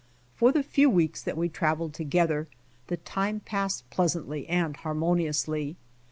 For the few weeks that we traveled together, the time passed pleasantly and harmoniously.